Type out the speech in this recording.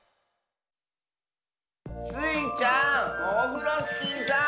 スイちゃんオフロスキーさん。